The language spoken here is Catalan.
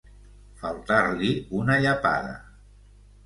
Faltar-li una llepada.